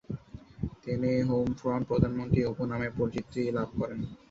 তিনি "home front প্রধানমন্ত্রী" উপনামে পরিচিতি লাভ করেন।